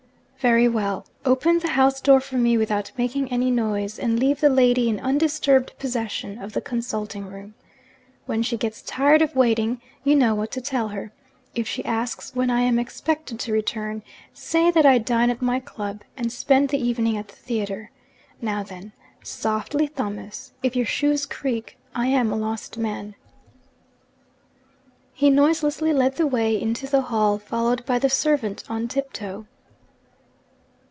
'Very well. Open the house door for me without making any noise, and leave the lady in undisturbed possession of the consulting room. When she gets tired of waiting, you know what to tell her. If she asks when I am expected to return, say that I dine at my club, and spend the evening at the theatre. Now then, softly, Thomas! If your shoes creak, I am a lost man.' He noiselessly led the way into the hall, followed by the servant on tip toe.